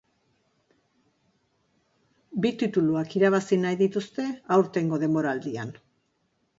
Bi tituluak irabazi nahi dituzte aurtengo denboraldian.